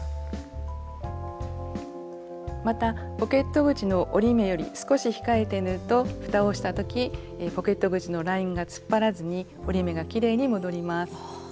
またポケット口の折り目より少し控えて縫うとふたをした時ポケット口のラインが突っ張らずに折り目がきれいに戻ります。